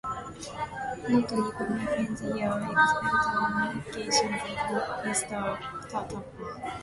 'Not even my friends here — except on one occasion,’ said Mr. Tupman.